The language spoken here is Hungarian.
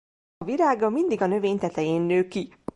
A virága mindig a növény tetején nő ki.